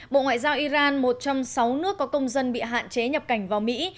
bộ ngoại giao iran một trong sáu nước có công dân bị hạn chế nhập cảnh vào mỹ